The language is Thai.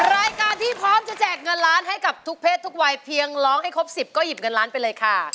รายการที่พร้อมจะแจกเงินล้านให้กับทุกเพศทุกวัยเพียงร้องให้ครบ๑๐ก็หยิบเงินล้านไปเลยค่ะ